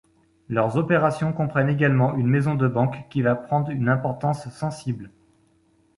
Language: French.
Leurs opérations comprennent également une maison de banque qui va prendre une importance sensible.